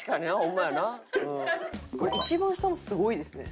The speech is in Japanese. これ一番下のすごいですね。